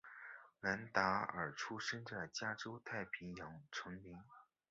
兰达尔出生在加州太平洋丛林。